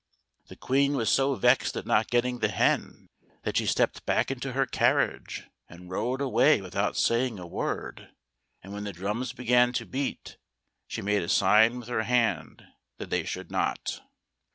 The Queen was so vexed at not getting the hen, that she stepped back into her carriage and rode away with out saying a word ; and when the drums began to beat, she made a sign with her hand that they should not.